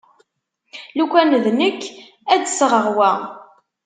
Lukan d nekk ad d-sɣeɣ wa.